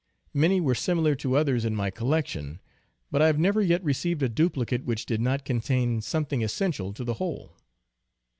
Many were similar to others in my collection, but I have never yet received a duplicate which did not contain something essential to the whole.